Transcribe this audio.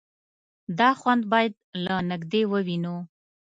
_دا خوند بايد له نږدې ووينو.